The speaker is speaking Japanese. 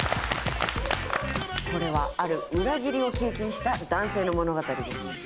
これはある裏切りを経験した男性の物語です。